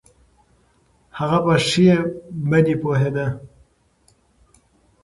هغه په ښې بدې پوهېده.